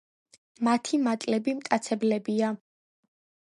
მათი მატლები მტაცებლებია.